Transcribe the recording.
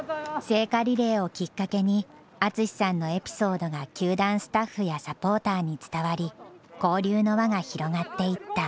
聖火リレーをきっかけに淳さんのエピソードが球団スタッフやサポーターに伝わり交流の輪が広がっていった。